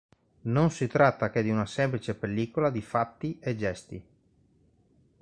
Non si tratta che di una semplice pellicola di fatti e gesti.